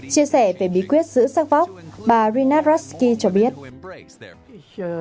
chia sẻ về bí quyết giữ sắc vóc bà reynard ruski nói rằng